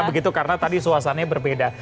begitu karena tadi suasananya berbeda